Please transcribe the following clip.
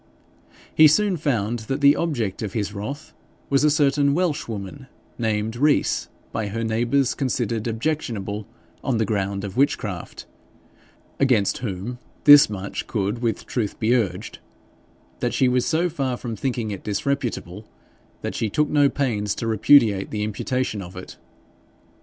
He soon found that the object of his wrath was a certain Welshwoman, named Rees, by her neighbours considered objectionable on the ground of witchcraft, against whom this much could with truth be urged, that she was so far from thinking it disreputable, that she took no pains to repudiate the imputation of it.